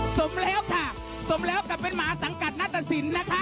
สมแล้วค่ะสมแล้วกับเป็นหมาสังกัดนัตตสินนะคะ